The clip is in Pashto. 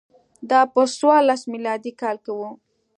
دا په څوارلس میلادي کال کې و